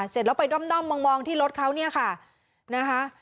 เสร็จแล้วไปด้อมมองที่รถเขาเนี่ยค่ะนะคะ